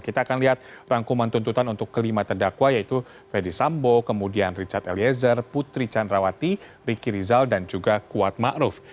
kita akan lihat rangkuman tuntutan untuk kelima tedakwa yaitu verdi sambo kemudian richard eliezer putri candrawati riki rizal dan juga kuat ma'ruf